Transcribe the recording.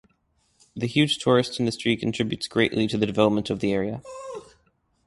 The huge tourist industry contributes greatly to the development of the area.